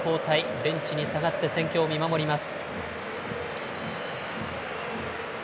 ベンチに下がって戦況を見守ります。